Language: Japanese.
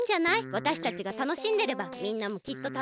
わたしたちがたのしんでればみんなもきっとたのしいよ。